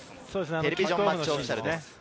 テレビジョン・マッチ・オフィシャルです。